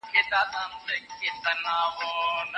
که موږ خپل تاریخ هېر کړو نو بیا به تېروځو.